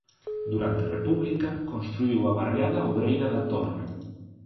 Durante a República construíu a barriada obreira da Torre.